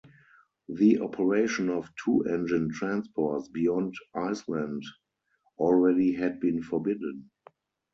The operation of two-engine transports beyond Iceland already had been forbidden.